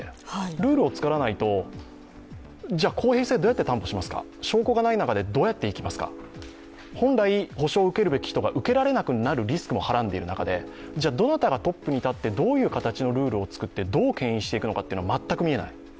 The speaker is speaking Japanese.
ルールを作らないと、じゃあ公平性どうやって担保しますか証拠がない中で、どうやってやりますかと本来、補償を受けるべき人が受けられなくなるリスクもはらんでいる中でじゃあどなたがトップに立って、どのようなルールを作って、どうけん引するのかが全く見えない。